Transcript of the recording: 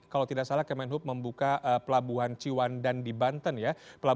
kalau tidak salah kemenhub membuka pelabuhan ciwandan di banten ya